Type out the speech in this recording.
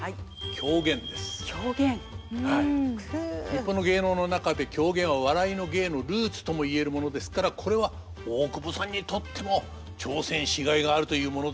日本の芸能の中で狂言は「笑いの芸」のルーツともいえるものですからこれは大久保さんにとっても挑戦しがいがあるというものです。